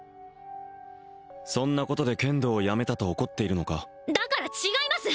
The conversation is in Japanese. そんなことで剣道をやめたと怒っているのかだから違います！